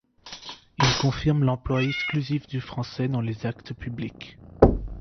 Il confirme l'emploi exclusif du français dans les actes publics.